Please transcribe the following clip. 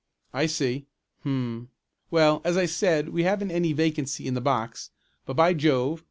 "I see. Hum, well, as I said we haven't any vacancy in the box, but by Jove!